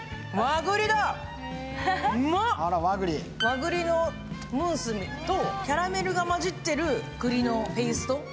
和栗のムースとキャラメルが混じってる栗のペースト。